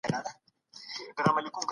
علم به تل د طبیعت قوانین کشفوي.